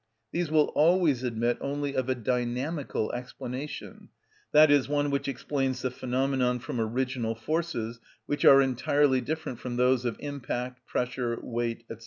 These will always admit only of a dynamical explanation, i.e., one which explains the phenomenon from original forces which are entirely different from those of impact, pressure, weight, &c.